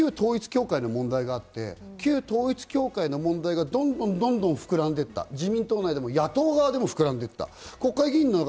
こう、流れの中に旧統一教会の問題があって、旧統一教会の問題がどんどんと膨らんでいった、自民党内でも野党側でも膨らんでいった。